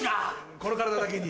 この体だけに。